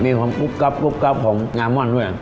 มีความปุ๊บกั๊บของงาม่อนด้วย